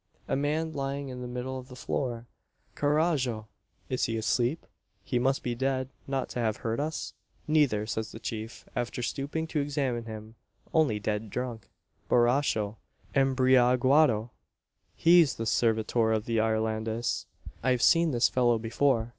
A man lying in the middle of the floor! "Carajo!" "Is he asleep?" "He must be dead not to have heard us?" "Neither," says the chief, after stooping to examine him, "only dead drunk boracho embriaguado! He's the servitor of the Irlandes. I've seen this fellow before.